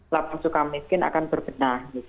lapang sukamiskin akan berbenah